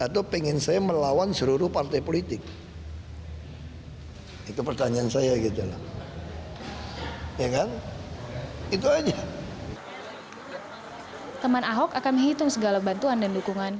teman ahok akan menghitung segala bantuan dan dukungan